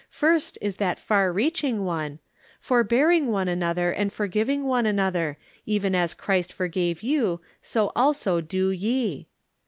First is that far reaching one :" Forbearing one another, and forgiving one another ; even as Christ forgave you, so also do ye."